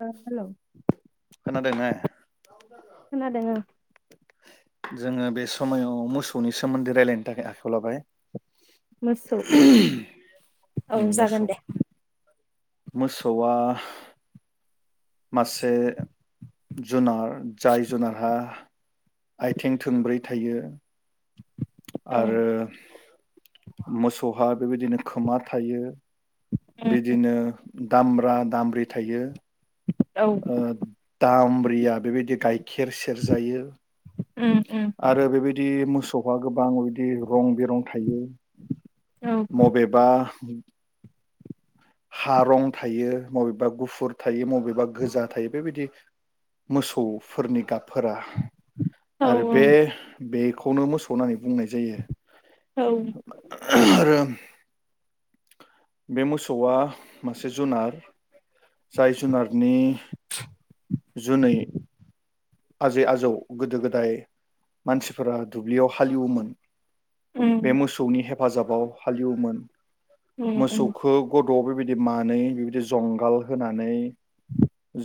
हेल' खोनादों ने खोनादों ओं जोङो बे समायाव मोसौनि सोमोन्दै रायलायनो थाखाय आखाइायाव लाबाय। मोसौ औ उम जागोन मोसौ दे मोसौआ मासे जुनार जाय जुनारा आइथें थोंब्रै थायो। औ आरो मोसौहा बेबायदिनो खोमा थायो। बिदिनो दामब्रा दामब्रि थायो औ ओ दामब्रिया बेबायदि गाइखेर सेर जायो औ औ आरो बेबायदि मोसौ सफा गोबां बिदि रं बिरं थायो। औ मबेबा हारं थायो मबेबा गुफुर थायो मबेबा बबेबा गोजा थायो बेबायदि मोसौफोरनि गाबफोरा आरो बे खौनो मोसौ नाहै बुंनाय जायो आरो बे मोसौआ मासे जुनार जाय जुनारनि जुनै आजै आजौ गोदो गोदाय मानसिफोरा दुब्लियाव हालेवोमोन बे मोसौनि हेफाजाबाव हालेवोमोन मोसौखौ गद'आव बेबायदि मानै बेबायदि जंगाल होनानै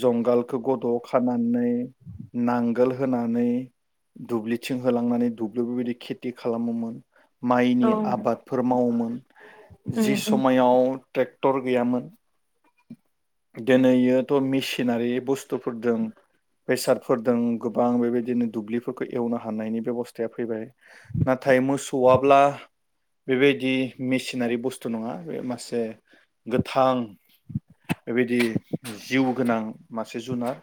जंगाल खौ गद'आव खानानै नांगोल होनानै दुब्लिथिं होलांनानै दुब्लियाव बेबायदि खेथि खालामोमोन। माइनि आबादफोर मावोमोन जि समायाव ट्रेक्टर गैयामोन दिनैयोथ' मिसिन सिनारि बुस्थु बथफोर दों बेसादफोर दों गोबां बेबायदिनो दुब्लि खौ एवनो हानायनि बेबस्थाया फैबाय ना नाथाय मोसौआाब्ला बेबायदि मेसिनारि बुस्थु नङा बे मासे गोथां बेबायदि जिउ गोनां मासे जुनार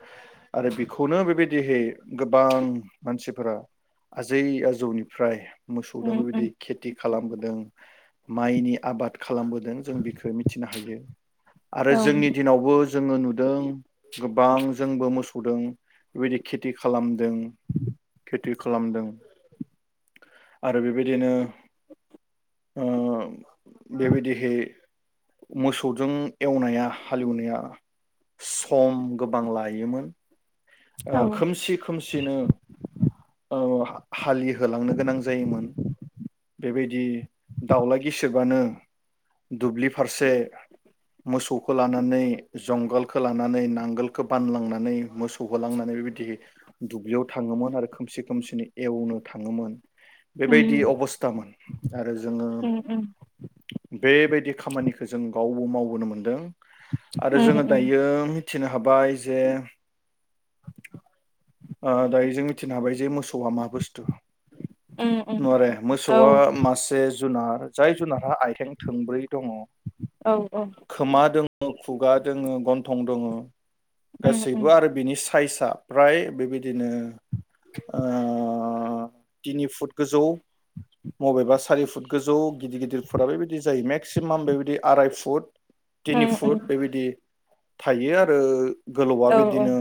आरो बेखौनो बेबायदिहै गोबां मान मानसिफोरा आजै आजौनिफ्राय मोसौदों बेबायदि खेथि खालामबोदों माइनि आबाद खालामबोदों जों बेखो मिथिनो हायो आरो जोंनि दिनावबो जोङो नुदों गोबां जोंबो मोसौदों बेबायदि खेथि खालामदों खेथ बि खालामदों आरो बेबायदिनो ओ बेबायदिहै मोसौजों एवनाया हालेवनाया सम गोबां लायोमोन। खोमसि खोमसिनो ओ हालिहोलांनो गोनां जायो जायोमोन बेबायदि दाउला गिसेबानो दुब्लि फारसे मोसौखौ लानानै जगालखौ लानानै नांगालखौ बानलांनानै मोसौ गलांनानै बेबायदि दुब्लियाव थाङोमोन आरो खोमसि खोमसिनि एवनो थाङोमोन बेबायदि अबस्थामोन आरो जोङो बेबायदि खामानिखौ जों गाव अ मावबोनो मोनदों आरो जोङो दायो मिथिनो हाबाय जे [inaudible] ओ दायो जों मिथिनो हाबाय जे मोसौआ मा बोस [inaudible] नङारे मोसौआ मासे जुनार जाय जुनारहा आथिं थोंब्रै दङ खोमा दों खुगा दोङ गन्थं दङ गासैबो आरो बिनि साइजआ फ्राय बेबायदिनो आ तिनि फुट गोजौ मबेबा सारि फुट गोजौ गिदिर गिदिरफोरा बेबायदि जायो मेक्सिमाम बेबायदि आराय फुट तिनि फुट बेबायदि थायो आरो गोलावा बिदिनो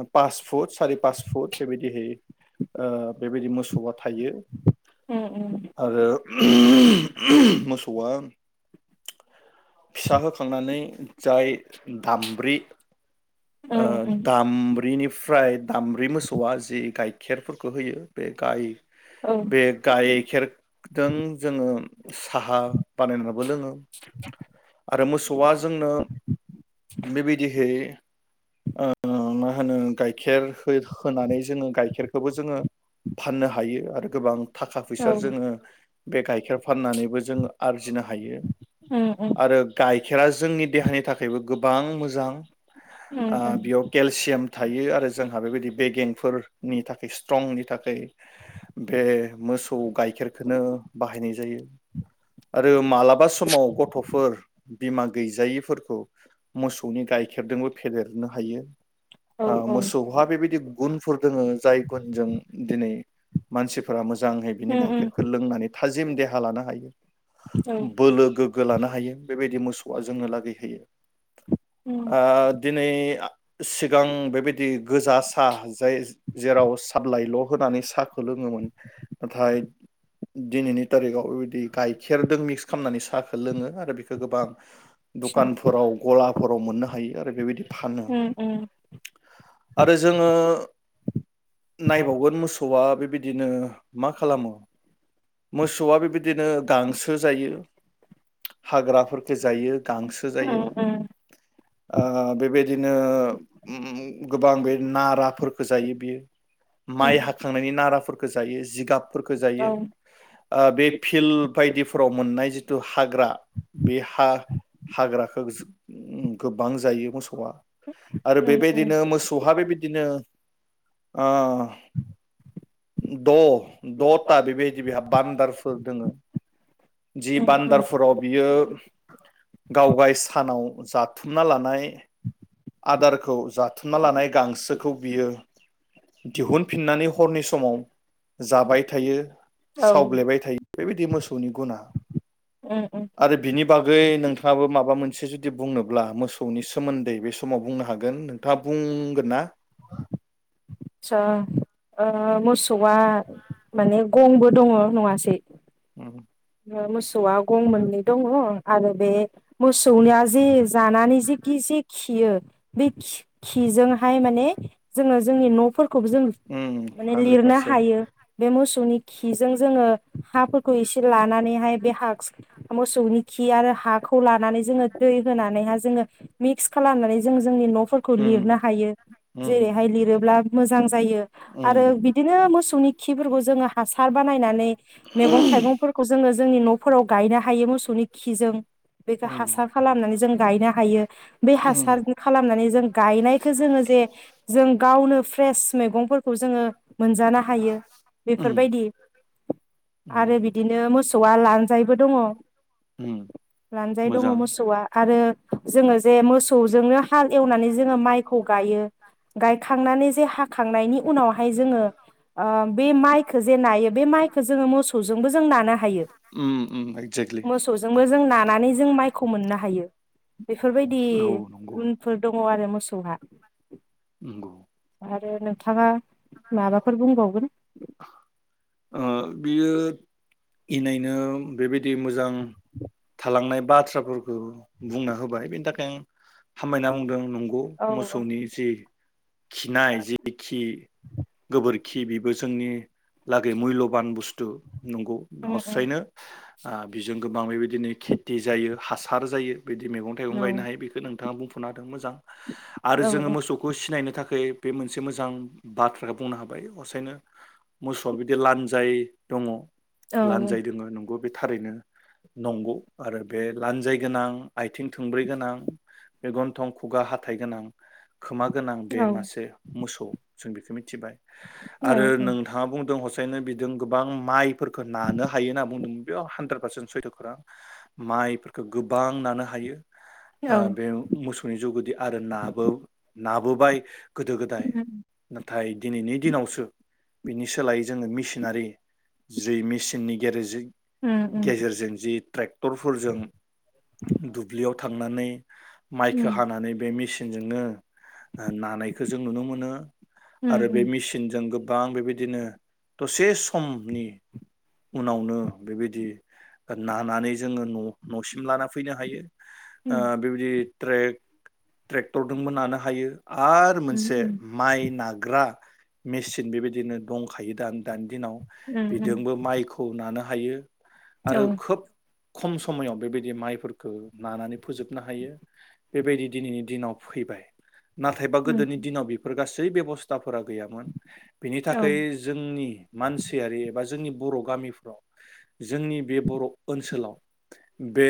आत पास फुट सारि पास फुट बेबायदिहै बेबायदि मोसौआ थायो आरो मोसौआ फिसा होखांनानै जाय दामब्रि दामब्रिनि फ्राय दामब्रि मोसौआ जि गाइखेरफोरखौ होयो बे गाय बे गायखेर दों जोङो साहा बानायनानैबो लोङो आरो मोसौआ जोंनो बेबायदिहै ओ मा होनो गाइखेर हो-होनानै जोङो गाइखेरखौबो जोङो फाननो हायो आरो गोबां थाखा फैसा जोङो बे गाइखेर फाननानैबो जोङो आरजिनो हायो आरो गाइखेरा जोंनि देहानि थाखायबो गोबां मोजां ओ बेयाव केलसियाम थायो आरो जोंहा बेबायदि बेगेंफोरनि थाखाय स्ट्रंनि थाखाय बे मोसौ गाइखेरखौनो बाहायनाय जायो आरो मालाबा समाव गथ'फोर बिमा गैजायैफोरखौ मोसौनि गाइखेरदोबो फेदेरनो हायो औ मोसौहा बेबायदि गुनफोर दोङो जाय गुनजों दिनै मानसिफोरा मोजाङै बिनि गाइखेरखौ लोंनानै थाजिम देहा हा लानो हायो बोलो गोग्गो लानो हायो बेबायदि मोसौआ जोंनो लागै होयो आ दिनै आ सिगां दि गोजा साहा जाय जेराव साबलाइल' होनानै साहाखौ लोङोमोन नाथाय दिनैनि थारिगाव गाइखेरदों मिक्स खालामनानै सा साखो लोङो आरो बेखौ गोबां दखानफोराव गलाफोराव मोननो हायो आरो बेबायदि फानो आरो जोङो नायबावगोन मोसौआ बेबायदिनो मा खालामो मोसौआ बेबायदिनो गांसो जायो हाग्राफोरखो जायो गांसो जायो ओ बेबायदिनो ओम गोबां बे नाराफोरखौ जायो बियो माइ हाखांनायनि नाराफोरखौ जायो जिगाब फोरखो औ जायो ओ बे फिल्ड बायदिफोराव मोननाय जिथु हाग्रा बे हा हाग्राखौ बिजु ओम गोबां जायो मोसौआ आरो उम उम बेबायदिनो मोसौहा बेबायदिनो आ दं दथा बेबायदि बेहा बान्दारफोर दोङो जि उम बान्दार उम फोराव बियो गावगाय सानाव जाथुमना लानाय आदारखौ जाथुमना लानाय गांसोखौ बियो दिहुनफिननानै हरनि समाव जाबाय थायो औ उम सावग्लेबाय थायो बेबायदि मोसौनि गुना उम आरो बिनि बागै नोंथाङाबो मा माबा मोनसे जुदि बुंनोब्ला मोसौनि सोमोन्दै बे [unintelligible] बुंनो हागोन नोंथाङा बुंगोन ना? आतसा ओ मोसौआ माने गंबो दङ' नङासै उम [unintelligible] मोसौआ गं मोननै दङ आरो बे मोसौनिया जे जानानै जेखि जे खियो बे खिजोंहाय माने जोङो जोंनि न'फोरखौबो जों उम माने हानद्रेद लिरनो पारसेन्ट हायो बे मोसौनि खिजों जोङो हाफोरखौ एसे लानानै बेहाय बे हा मोसौनि खि आरो हाखौ लानानै जोङो दै होनानैहाय जोङो मिक्स खालामनानै जों जोंनि न'फोरखौ उम लिरनो हायो उम जेरैहाय लिरोब्ला मोजां जायो उम आरो बिदिनो मोसौनि खिफोरखौ जोङो हासार बानायनानै मैगं थाइगंफोरखौ जोङो जोंनि न'फोराव ग गायनो हायो मोसौनि खिजों बेखौ उम हासार खालामनानै जों गायनो हायो बे उम हासार खालामनानै जों गायनायखौ जोङो जे जों गावनो फ्रेस मैगंफोरखौ जोङो मोनजानो हायो उम बेफोरबायदि उम आरो बि [unintelligible] मोसौआ लानजाइ बो दङ' उम लानजाय दङ' मोजां मोसौआ आरो जोङो जे मोसौजोंनो हाल एवनानै जोङो माइखौ गायो गायखांनानै जे हाखांनायनि उनावहाय जोङो ओ बे माइखो जे नायो बे माइखो जोङो मोसौजों जों नानो हायो उम उम एक्जेक्टलि मोसौजोंबो जों नानानै मायखौ मोननो हायो बेफोरबायदि औ नंगौ गुनफोर दङ आरो मो सौहा नंगौ आरो नोंथाङा माबाफोर बुंबावगोन? ओ बियो इनायनो बेबायदि मोजां थालांनाय बाथ्राफोरखौ बुंना होबाय बेनि थाखाय हामबायना बुंदों औ [unintelligible] मोसौनि जि खिनाय जिखि गोबोरखि बेबो जोंनि लागै मुल्यबान बुस टु नंगौ उम उम हसायैनो ओ बिजों गोबां बेबायदिनो खेथि जायो हासार जायो। बिदि मैगं थाइगं औ गायनो हायो बेखौ नों बिथाङा बुंफोरना होदों मोजां आरो जोङो औ मोसौखौ सिनायनो थाखै बे मोनसे मोजां बाथ्राखौ बुंनो हाबाय असायनो मोसौआ बिदि लान्जाय दङ' औ लानजाय दोङो नंगौ बे थारैनो नंगौ आरो बे लान्जाय गोनां। आइथिं थोंब्रै गोनां। [unintelligible] गनथं, खुगा, हाथाइ गोनां, खोमा गोनां बे औ औ मासे मोसौ। जों बेखो मिथिबाय। आरो आदसा नोंथाङा बुंदों। [unintelligible] बिदों गोबां माइफोरखौ नानो हायो होनना बुंदोंमोन बेयाव हानद्रेद पारसेन्ट सैथो खोथा माइफोर गोबां नानो हायो, ओ बे मोसौनि जुगुदि आरो नाबो नाबोबाय गोदो गोदाय नाथाय दिनैनि दिनावसो बिनि सोलायै जोङो मेसिनारि जि मेसिननि गेरेरजों। गेजेरजों जि ट्रेक्टरफोरजों दुब्लियाव थांनानै माइखो हानानै बे मेसिन जोंनो नानायखौ जों नुनो मोनो। आरो बे मेसिनजों गो बां बेबायदिनो। दसे समनि उनावनो बेबायदि नानानै जोङो न' न'सिम लाना फै फैनो हायो, ओ बेबायदि ट्रेक- ट्रेक्टरदोंबो नानो हायो, आरो मोनसे, माइ नाग्रा मेसिन बेबायदिनो दंखायो दा। दानि दिनाव बेदोंबो माइखौ नानो हायो। आरो खोब खम समायाव बेबायदि माइफोर नानानै फोजोबनो हायो बेबायदि दिनैनि दिनाव फैबाय। नाथायबा गोदोनि दिनाव बे गासै बेब'स्था। फोरा गैयामोन बिनि थाखाय जोंनि मानसियारि एबा जोंनि बर' गामिफ्राव जोंनि बे बर' ओनसोलाव। बे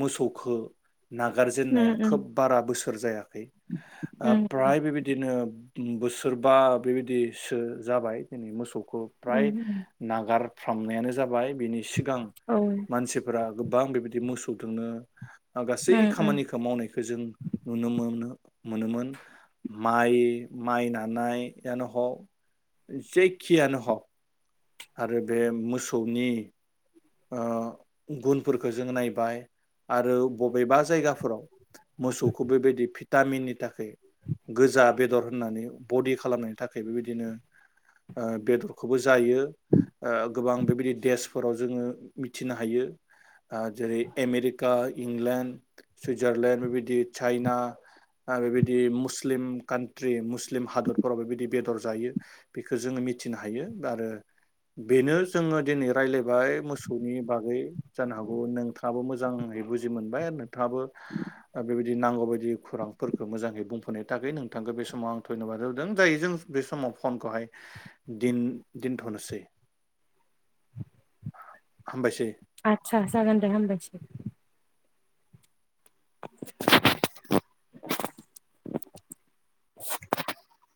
मोसौ [unintelligible] नागारजेननाया खोब बारा बोसोर जायाखै, ओ फ्राय बेबायदिनो बोसोरबा बेबायदिसो जाबाय । दिनै मोसौखौ फ्राय नागारफ्रामनायानो जाबाय बिनि सिगां मानसिफोरा गोबां बेबायदि मोसौ दोंनो गासै खामानिखौ मावनायखौ जों नुनो मोनो मोनोमोन माइ माइ नानाय यानो ह जे खियानो‌ हग आरो बे मोसौनि ओ गुनफोरखौ जों नायबाय आरो बबेबा जायगाफोराव मोसौखौ बेबायदि भिटामिननि थाखाय गोजा बेदर होननानै बडि खालामनायनि थाखाय बेबायदिनो बेदरखौबो जायो गोबां बेबायदि देसफोराव जोङो मिथिनो हायो जेरै आमेरिका इंलेण्ड सुइजारलेण्ड बेबायदि चाइना बेबायदि मुस्लिम कान्ट्रि [unintelligible] हादरफोरावबो बिदि बेदर जायो बेखो जोङो मिथिनो हायो आरो बेनो जोङो दिनै रायज्लायबाय मोसौ हुनि बागै जानो हागौ औ नोंथाङाबो मोजाङै बुजि मोनबाय नोंथाङाबो ओ बेबाय बि नांगौ बायदि खुरांफोरखौ मोजाङै बुंफोरनो थाखाय नोंथांखौ बे समाव आं धन्यबाद हो [unintelligible] जों बे समाव फनखौहाय दिन दिनथ'नोसै। हामबासै आदसा जागोन दे हामबायसै । [unintelligible] [inaudible]